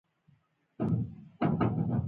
ځینې محصلین د علمي فعالیتونو برخه اخلي.